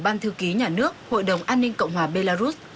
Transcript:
ban thư ký nhà nước hội đồng an ninh cộng hòa belarus